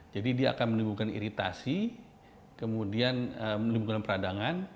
jadi dia akan menimbulkan iritasi kemudian menimbulkan peradangan